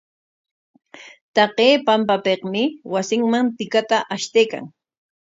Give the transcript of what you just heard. Taqay pampapikmi wasinman tikata ashtaykan.